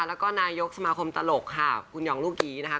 แล้วก็นายกสมาคมตลกค่ะคุณหองลูกหยีนะคะ